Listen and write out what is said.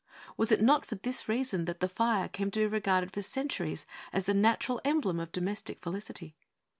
Was it not for this reason that the fire came to be regarded for centuries as the natural emblem of domestic felicity?